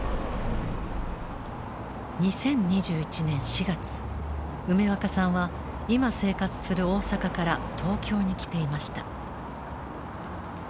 ２０２１年４月梅若さんは今生活する大阪から東京に来ていました。